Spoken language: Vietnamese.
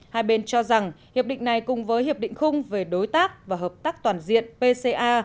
hai bên cho rằng hiệp định này cùng với hiệp định khung về đối tác và hợp tác toàn diện pca